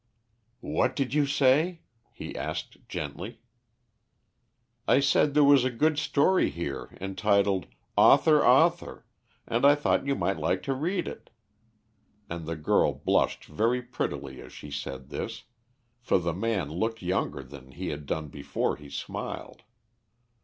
"What did you say?" he asked, gently. "I said there was a good story here, entitled 'Author! Author!' and I thought you might like to read it," and the girl blushed very prettily as she said this, for the man looked younger than he had done before he smiled.